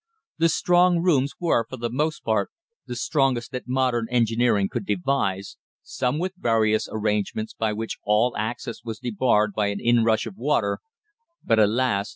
The strong rooms were, for the most part, the strongest that modern engineering could devise, some with various arrangements by which all access was debarred by an inrush of water, but, alas!